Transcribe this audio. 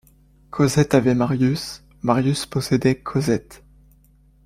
Cosette avait Marius, Marius possédait Cosette.